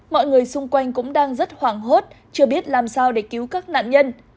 mọi người xung quanh cũng đang rất hoảng hốt chưa biết làm sao để cứu các nạn nhân